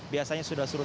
biasanya sudah suruh